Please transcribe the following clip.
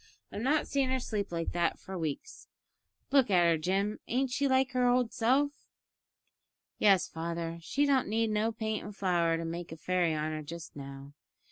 I've not seen her sleep like that for weeks. Look at her, Jim; ain't she like her old self?" "Yes, father, she don't need no paint and flour to make a fairy on her just now.